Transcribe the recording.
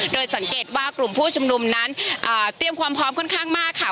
โดยสังเกตว่ากลุ่มผู้ชุมนุมนั้นเตรียมความพร้อมค่อนข้างมากค่ะ